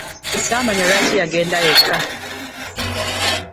Samanya lwaki yagenda yekka.